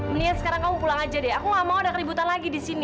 mendingan sekarang kamu pulang aja deh aku gak mau ada keributan lagi di sini